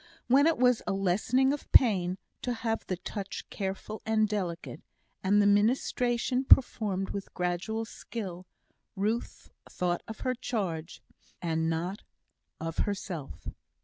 When it was a lessening of pain to have the touch careful and delicate, and the ministration performed with gradual skill, Ruth thought of her charge, and not of herself.